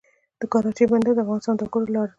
د کراچۍ بندر د افغان سوداګرو لاره ده